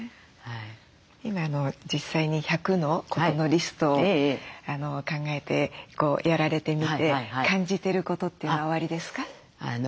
今実際に１００のことのリストを考えてやられてみて感じてることというのはおありですか？